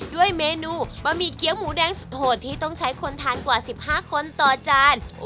ด้วยเมนูบะหมี่เกี้ยวหมูแดงสุดโหดที่ต้องใช้คนทานกว่า๑๕คนต่อจาน